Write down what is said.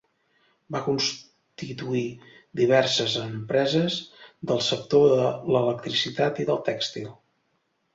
Va constituir diverses empreses del sector de l'electricitat i del tèxtil.